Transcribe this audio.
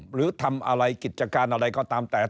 หรือทำอะไรกิจการอะไรก็ตามแต่